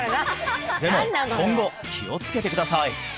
でも今後気をつけてください